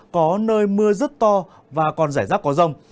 có nơi mưa rất to và còn giải rác có rồng